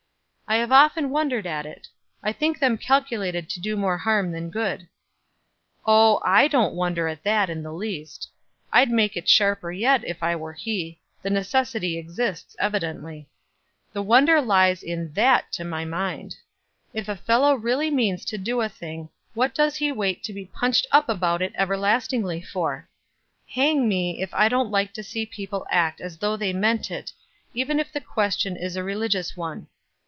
"I have often wondered at it. I think them calculated to do more harm than good." "Oh I don't wonder at it in the least. I'd make it sharper yet if I were he; the necessity exists evidently. The wonder lies in that to my mind. If a fellow really means to do a thing, what does he wait to be punched up about it everlastingly for? Hang me, if I don't like to see people act as though they meant it, even if the question is a religious one.